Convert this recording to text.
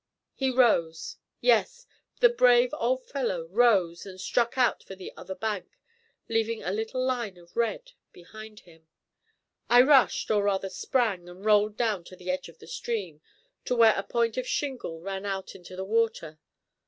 He rose. Yes, the brave old fellow rose and struck out for the other bank, leaving a little line of red behind him. I rushed, or rather sprang and rolled down to the edge of the stream, to where a point of shingle ran out into the water.